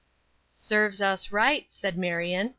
"Serves us right," said Marion.